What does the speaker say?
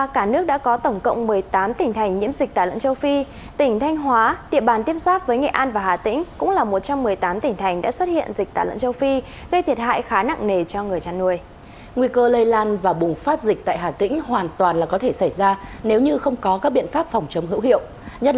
cảm ơn các bạn đã theo dõi và đăng ký kênh của chúng mình